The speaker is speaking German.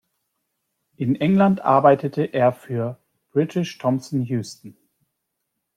In England arbeitete er für British Thomson-Houston.